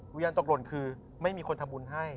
วิญญาณตกหล่นคือไม่มีคนทำบุญให้